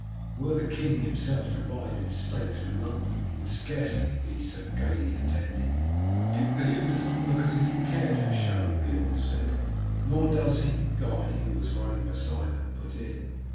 Were the king himself to ride in state through London he would scarce be so gaily attended." "Duke William does not look as if he cared for show," Beorn said. "Nor does he," Guy, who was riding beside them, put in.